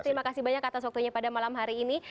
terima kasih banyak atas waktunya pada malam hari ini